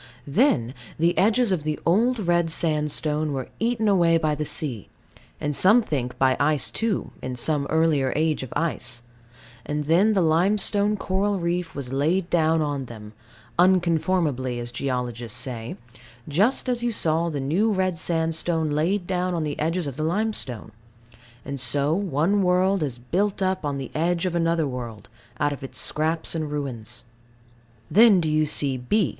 Then the edges of the old red sandstone were eaten away by the sea and some think by ice too, in some earlier age of ice; and then the limestone coral reef was laid down on them, "unconformably," as geologists say just as you saw the new red sandstone laid down on the edges of the limestone; and so one world is built up on the edge of another world, out of its scraps and ruins. Then do you see B.